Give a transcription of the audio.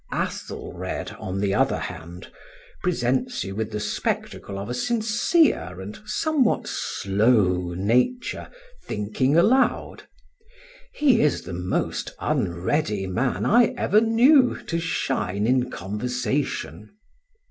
Athelred, on the other hand, presents you with the spectacle of a sincere and somewhat slow nature thinking aloud. He is the most unready man I ever knew to shine in conversation.